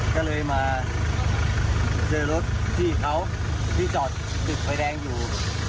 ก็เลยมาเจอรถพี่เขาที่จอดติดไฟแดงอยู่